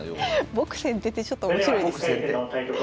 「ぼく先手」ってちょっと面白いですね。